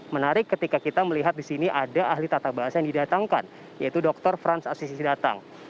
menarik ketika kita melihat di sini ada ahli tata bahasa yang didatangkan yaitu dr frans asisisi datang